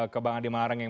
ke bang andi malarengi